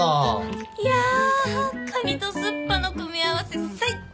いやカニと水破の組み合わせ最高。